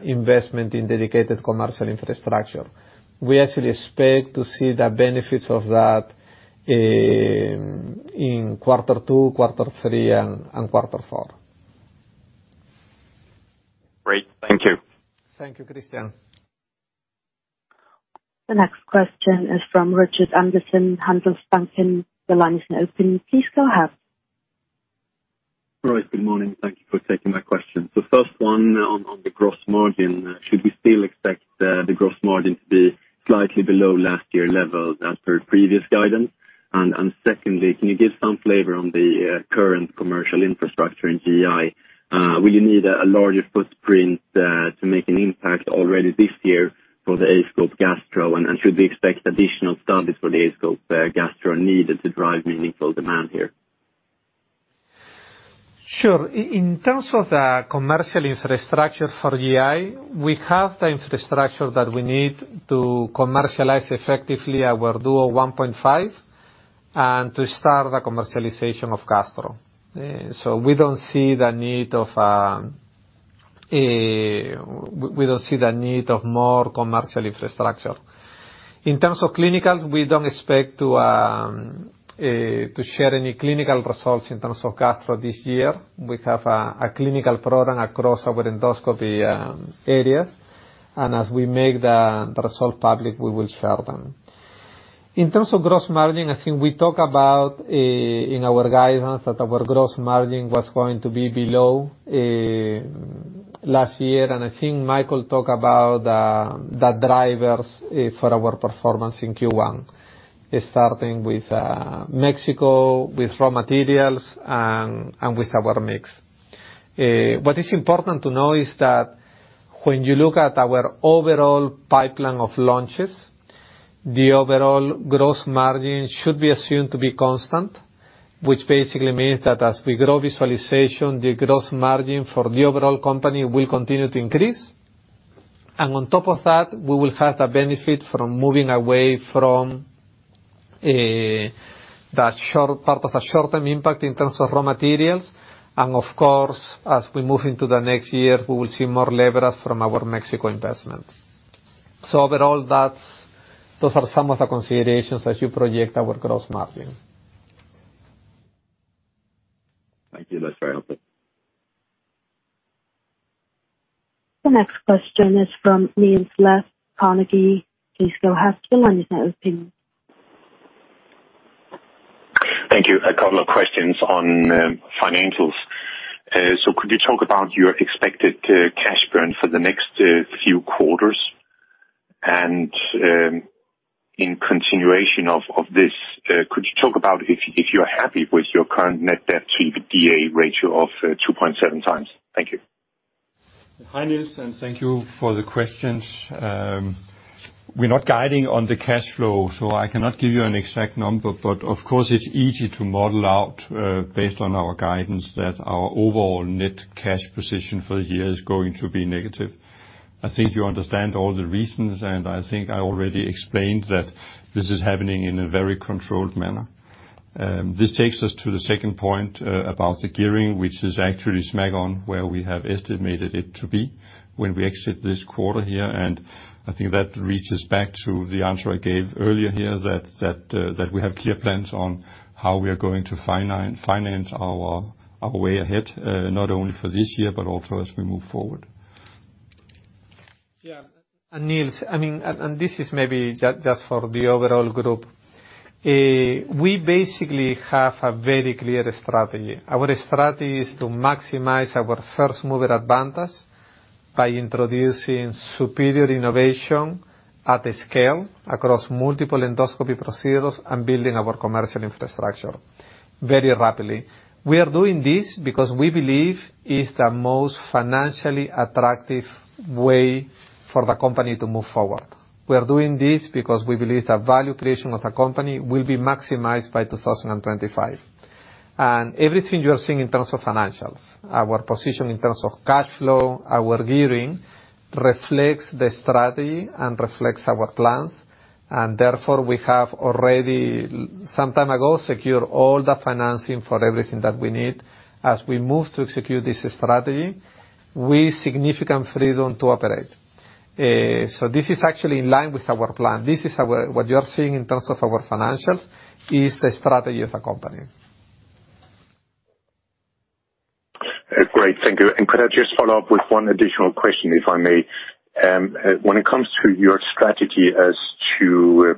investment in dedicated commercial infrastructure. We actually expect to see the benefits of that in quarter 2, quarter 3, and quarter 4. Great. Thank you. Thank you, Christian. The next question is from Rickard Anderkrans, Handelsbanken. The line is now open. Please go ahead. All right. Good morning. Thank you for taking my question. First one on the gross margin. Should we still expect the gross margin to be slightly below last year level as per previous guidance? Secondly, can you give some flavor on the current commercial infrastructure in GI? Will you need a larger footprint to make an impact already this year for the aScope Gastro? Should we expect additional studies for the aScope Gastro needed to drive meaningful demand here? Sure. In terms of the commercial infrastructure for GI, we have the infrastructure that we need to commercialize effectively our Duo 1.5, and to start the commercialization of Gastro. So we don't see the need of more commercial infrastructure. In terms of clinical, we don't expect to share any clinical results in terms of Gastro this year. We have a clinical program across our endoscopy areas, and as we make the result public, we will share them. In terms of gross margin, I think we talk about in our guidance that our gross margin was going to be below last year. I think Michael talked about the drivers for our performance in Q1, starting with Mexico, with raw materials and with our mix. What is important to know is that when you look at our overall pipeline of launches, the overall gross margin should be assumed to be constant, which basically means that as we grow visualization, the gross margin for the overall company will continue to increase. On top of that, we will have the benefit from moving away from the short-term impact in terms of raw materials. Of course, as we move into the next year, we will see more leverage from our Mexico investment. Overall, those are some of the considerations as you project our gross margin. Thank you. That's very helpful. The next question is from Niels Granholm-Leth, Carnegie. Please go ahead. The line is now open. Thank you. A couple of questions on financials. Could you talk about your expected cash burn for the next few quarters? In continuation of this, could you talk about if you're happy with your current net debt to EBITDA ratio of 2.7 times? Thank you. Hi, Niels, and thank you for the questions. We're not guiding on the cash flow, so I cannot give you an exact number. Of course, it's easy to model out, based on our guidance that our overall net cash position for the year is going to be negative. I think you understand all the reasons, and I think I already explained that this is happening in a very controlled manner. This takes us to the second point, about the gearing, which is actually smack on where we have estimated it to be when we exit this quarter here, and I think that reaches back to the answer I gave earlier here that we have clear plans on how we are going to finance our way ahead, not only for this year, but also as we move forward. Niels, I mean, this is maybe just for the overall group. We basically have a very clear strategy. Our strategy is to maximize our first mover advantage by introducing superior innovation at scale across multiple endoscopy procedures and building our commercial infrastructure very rapidly. We are doing this because we believe it's the most financially attractive way for the company to move forward. We are doing this because we believe the value creation of the company will be maximized by 2025. Everything you are seeing in terms of financials, our position in terms of cash flow, our gearing reflects the strategy and reflects our plans, and therefore we have already, some time ago, secured all the financing for everything that we need. As we move to execute this strategy, with significant freedom to operate. This is actually in line with our plan. What you are seeing in terms of our financials is the strategy of the company. Great. Thank you. Could I just follow up with one additional question, if I may? When it comes to your strategy as to,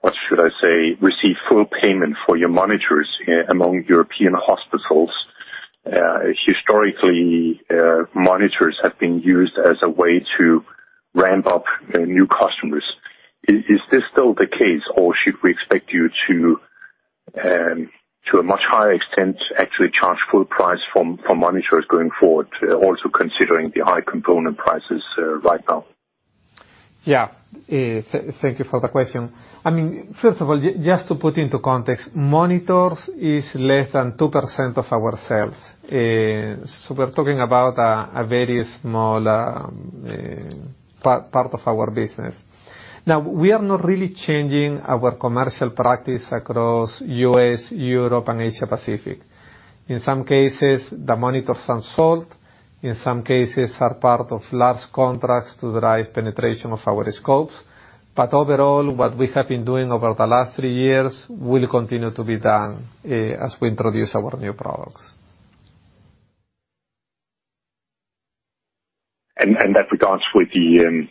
what should I say, receive full payment for your monitors among European hospitals, historically, monitors have been used as a way to ramp up new customers. Is this still the case, or should we expect you to a much higher extent, actually charge full price from monitors going forward, also considering the high component prices, right now? Thank you for the question. I mean, first of all, just to put into context, monitors is less than 2% of our sales. So we're talking about a very small part of our business. Now, we are not really changing our commercial practice across U.S., Europe and Asia Pacific. In some cases, the monitors are sold. In some cases, are part of large contracts to drive penetration of our scopes. Overall, what we have been doing over the last 3 years will continue to be done, as we introduce our new products. That regards the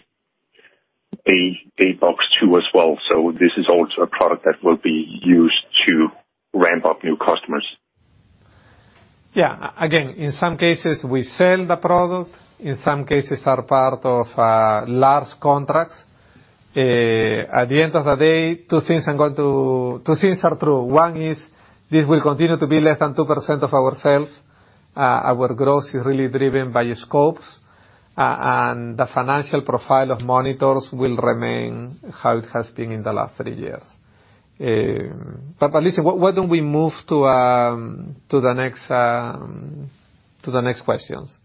aBox 2 as well. This is also a product that will be used to ramp up new customers. Yeah. Again, in some cases we sell the product. In some cases we're part of large contracts. At the end of the day, two things are true. One is this will continue to be less than 2% of our sales. Our growth is really driven by scopes. And the financial profile of monitors will remain how it has been in the last three years. Listen, why don't we move to the next questions?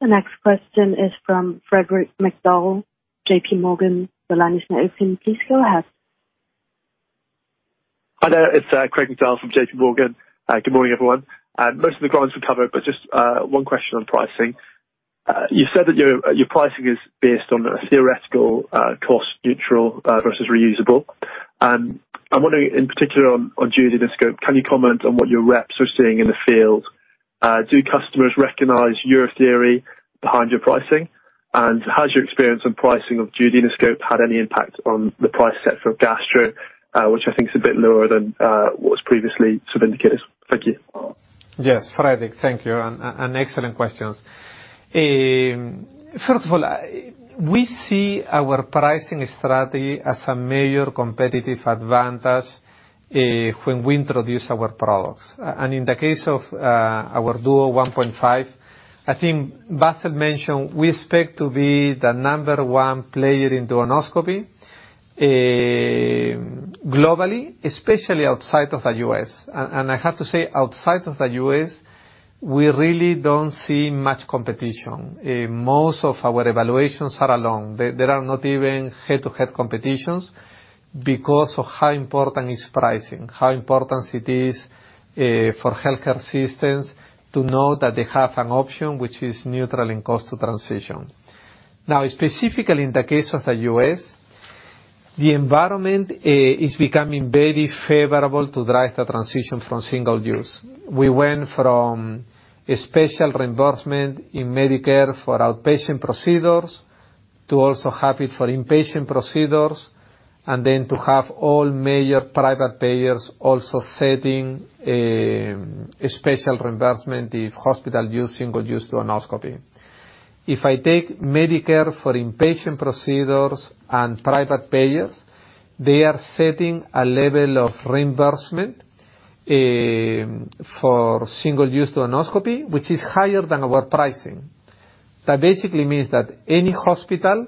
The next question is from Craig McDowell, J.P. Morgan. The line is now open. Please go ahead. Hi there. It's Craig McDowell from JPMorgan. Good morning, everyone. Most of the grounds were covered, but just one question on pricing. You said that your pricing is based on a theoretical cost neutral versus reusable. I'm wondering in particular on duodenoscope, can you comment on what your reps are seeing in the field? Do customers recognize your theory behind your pricing? And has your experience on pricing of duodenoscope had any impact on the price set for gastro? Which I think is a bit lower than what was previously sort of indicated. Thank you. Yes, Craig. Thank you. Excellent questions. First of all, we see our pricing strategy as a major competitive advantage when we introduce our products. In the case of our Duo 1.5, I think Bassel mentioned we expect to be the number one player in duodenoscopy. Globally, especially outside of the U.S., and I have to say outside of the U.S., we really don't see much competition. Most of our evaluations are alone. There are not even head-to-head competitions because of how important pricing is, how important it is for healthcare systems to know that they have an option which is neutral in cost to transition. Now, specifically in the case of the U.S., the environment is becoming very favorable to drive the transition from single-use. We went from a special reimbursement in Medicare for outpatient procedures to also have it for inpatient procedures, and then to have all major private payers also setting a special reimbursement if hospitals use single-use duodenoscopy. If I take Medicare for inpatient procedures and private payers, they are setting a level of reimbursement for single-use duodenoscopy, which is higher than our pricing. That basically means that any hospital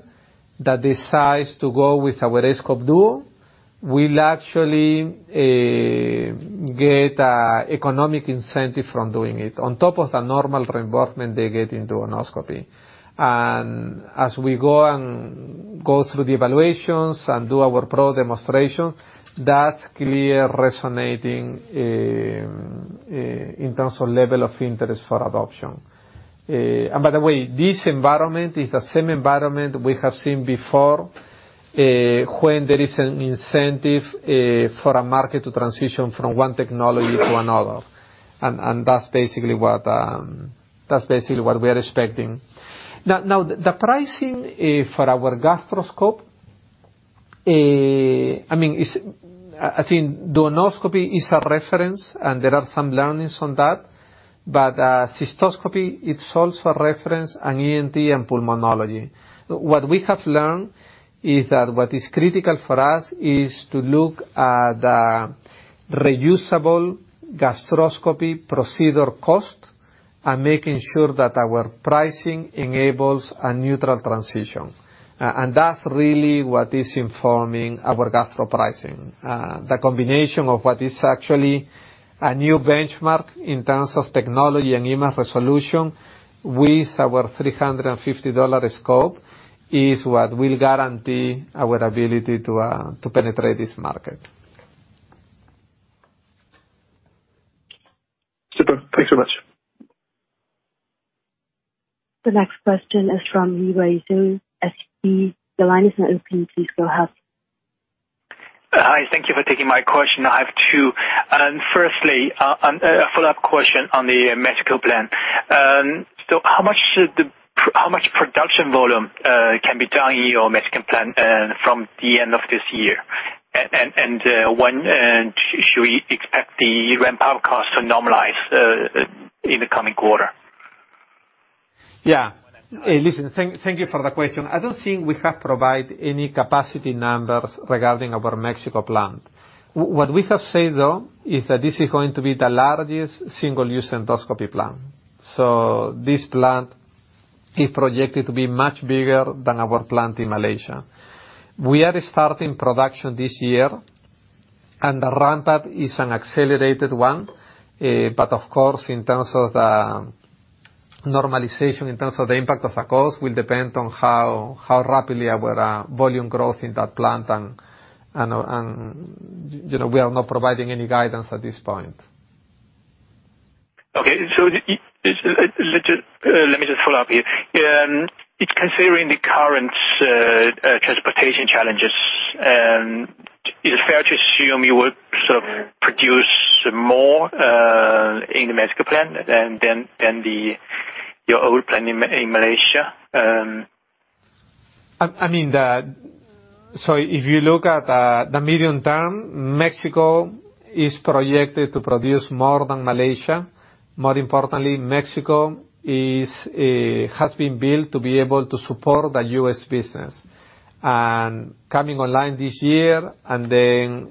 that decides to go with our aScope Duo will actually get an economic incentive from doing it on top of the normal reimbursement they get in duodenoscopy. As we go through the evaluations and do our product demonstrations, that's clearly resonating in terms of level of interest for adoption. By the way, this environment is the same environment we have seen before, when there is an incentive for a market to transition from one technology to another. That's basically what we are expecting. Now, the pricing for our gastroscope, I mean, I think duodenoscopy is a reference, and there are some learnings on that. Cystoscopy, it's also a reference in ENT and pulmonology. What we have learned is that what is critical for us is to look at the reusable gastroscopy procedure cost and making sure that our pricing enables a neutral transition. That's really what is informing our gastro pricing. The combination of what is actually a new benchmark in terms of technology and image resolution with our $350 scope is what will guarantee our ability to penetrate this market. Super. Thanks so much. The next question is from Yiwei Zhou, SEB. The line is now open. Please go ahead. Hi. Thank you for taking my question. I have 2. Firstly, a follow-up question on the Mexico plan. How much production volume can be done in your Mexican plant from the end of this year? When should we expect the ramp-up cost to normalize in the coming quarter? Yeah. Listen, thank you for the question. I don't think we have provided any capacity numbers regarding our Mexico plant. What we have said, though, is that this is going to be the largest single-use endoscopy plant. This plant is projected to be much bigger than our plant in Malaysia. We are starting production this year, and the ramp-up is an accelerated one. But of course, in terms of the normalization, in terms of the impact of the cost, will depend on how rapidly our volume growth in that plant and, you know, we are not providing any guidance at this point. Okay. Just let me just follow up here. In considering the current transportation challenges, is it fair to assume you would sort of produce more in the Mexico plant than your old plant in Malaysia? I mean the medium term, Mexico is projected to produce more than Malaysia. More importantly, Mexico has been built to be able to support the U.S. business. Coming online this year and then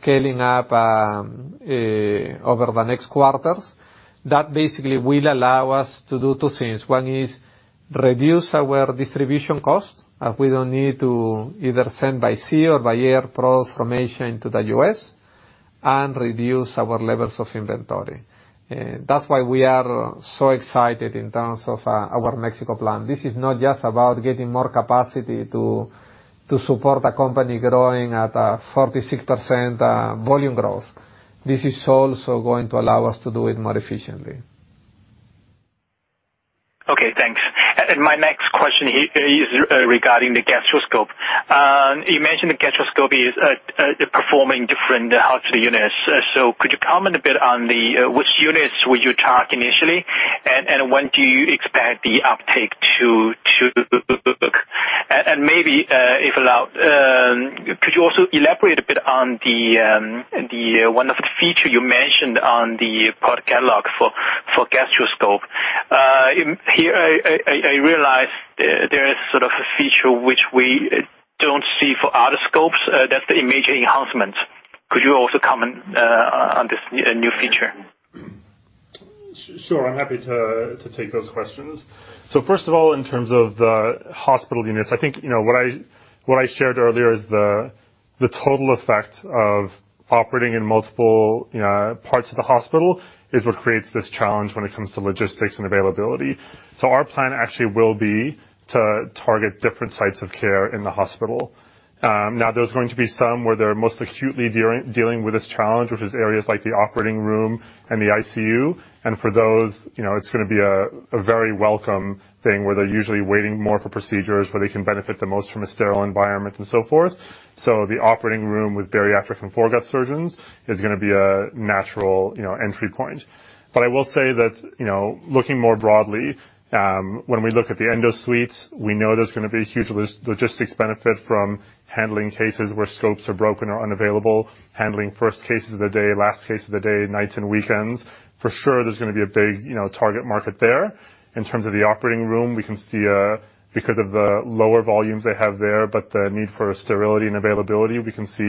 scaling up over the next quarters, that basically will allow us to do two things. One is reduce our distribution costs, as we don't need to either send by sea or by air products from Asia into the U.S., and reduce our levels of inventory. That's why we are so excited in terms of our Mexico plant. This is not just about getting more capacity to support a company growing at a 46% volume growth. This is also going to allow us to do it more efficiently. Okay, thanks. My next question is regarding the gastroscope. You mentioned the gastroscope is performing differently across the units. Could you comment a bit on which units would you target initially, and when do you expect the uptake to book? Maybe, if allowed, could you also elaborate a bit on the wonderful feature you mentioned on the product catalog for gastroscope. Here I realize there is sort of a feature which we don't see for other scopes, that's the image enhancement. Could you also comment on this new feature? Sure, I'm happy to take those questions. First of all, in terms of the hospital units, I think, you know, what I shared earlier is the total effect of operating in multiple parts of the hospital is what creates this challenge when it comes to logistics and availability. Our plan actually will be to target different sites of care in the hospital. Now there's going to be some where they're most acutely dealing with this challenge, which is areas like the operating room and the ICU. For those, you know, it's gonna be a very welcome thing, where they're usually waiting more for procedures where they can benefit the most from a sterile environment and so forth. The operating room with bariatric and foregut surgeons is gonna be a natural, you know, entry point. I will say that, you know, looking more broadly, when we look at the endosuite, we know there's gonna be a huge logistics benefit from handling cases where scopes are broken or unavailable, handling first cases of the day, last case of the day, nights and weekends. For sure, there's gonna be a big, you know, target market there. In terms of the operating room, we can see, because of the lower volumes they have there, but the need for sterility and availability, we can see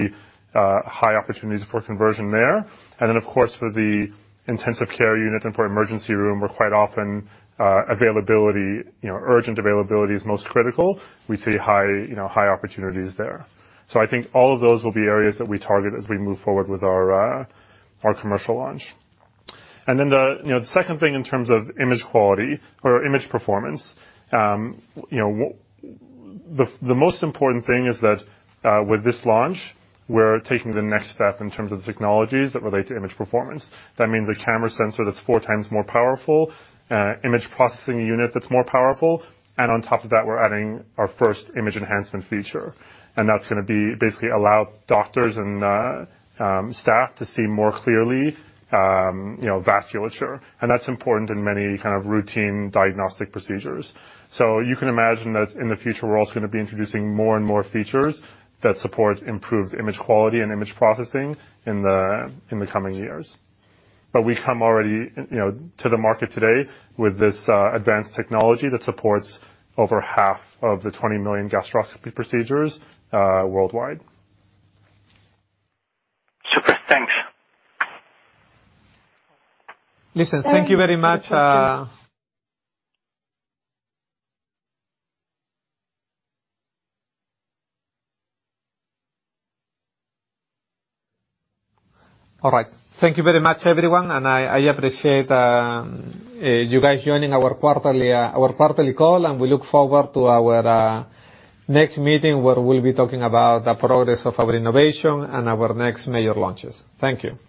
high opportunities for conversion there. And then, of course, for the intensive care unit and for emergency room, where quite often availability, you know, urgent availability is most critical, we see high opportunities there. So I think all of those will be areas that we target as we move forward with our commercial launch. The second thing in terms of image quality or image performance, you know, the most important thing is that with this launch, we're taking the next step in terms of the technologies that relate to image performance. That means a camera sensor that's four times more powerful, image processing unit that's more powerful, and on top of that, we're adding our first image enhancement feature. That's gonna be basically allow doctors and staff to see more clearly, you know, vasculature. That's important in many kind of routine diagnostic procedures. You can imagine that in the future, we're also gonna be introducing more and more features that support improved image quality and image processing in the coming years. We come already, you know, to the market today with this advanced technology that supports over half of the 20 million gastroscopy procedures worldwide. Super. Thanks. Listen, thank you very much. All right. Thank you very much, everyone, and I appreciate you guys joining our quarterly call, and we look forward to our next meeting, where we'll be talking about the progress of our innovation and our next major launches. Thank you. Thank you.